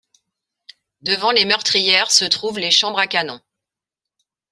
Devant les meurtrières se trouvent les chambres à canon.